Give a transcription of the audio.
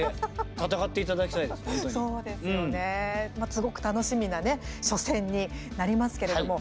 すごく楽しみな初戦になりますけれども。